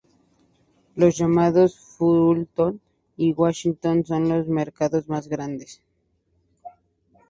Los llamados Fulton y Washington son los mercados más grandes.